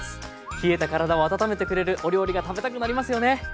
冷えたからだを温めてくれるお料理が食べたくなりますよね。